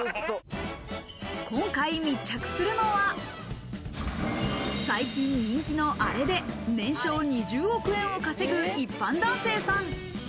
今回密着するのは、最近、人気のアレで年商２０億円を稼ぐ一般男性さん。